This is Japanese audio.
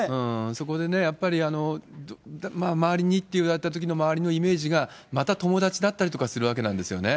そこでやっぱり周りにって言われたときの、周りのイメージが、また友達だったりとかするわけなんですよね。